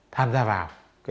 tham gia vào